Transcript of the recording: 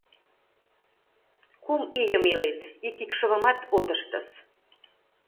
— Кум ийым илет, ик икшывымат от ыштыс...